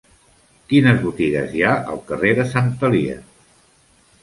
Quines botigues hi ha al carrer de Sant Elies?